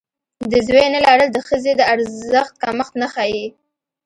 د زوی نه لرل د ښځې د ارزښت کمښت نه ښيي.